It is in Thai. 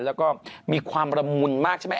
แล้วก็มีความระมุนมากใช่ไหม